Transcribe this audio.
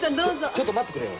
ちょっと待ってくれよ。